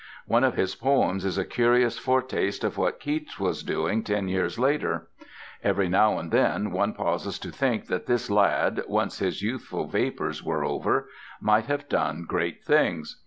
One of his poems is a curious foretaste of what Keats was doing ten years later. Every now and then one pauses to think that this lad, once his youthful vapours were over, might have done great things.